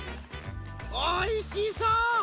おいしそう！